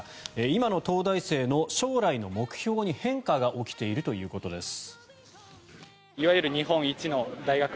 今の東大生の将来の目標に変化が起きているということです。